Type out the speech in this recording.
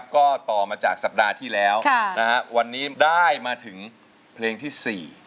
ก็ต่อมาจากสัปดาห์ที่แล้ววันนี้ได้มาถึงเพลงที่๔